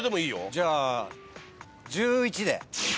じゃあ１１で。